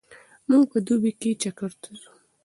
موږ په دوبي کې چکر ته ځو.